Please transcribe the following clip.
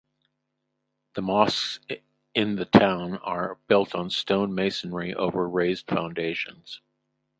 The mosques in the town are built in stone masonry over raised foundations.